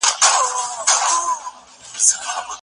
بلکه خپل وړوکی ځان یې سمندر سو.